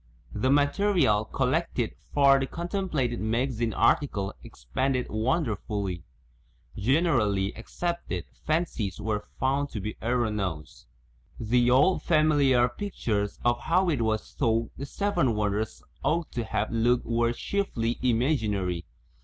The material collected for the contemplated magazine article expanded wonderfully. Generally accepted fan cies were found to be erroneous. The old familiar pictures of how it was thought the Seven Won ders ought to have looked were chiefly imaginary.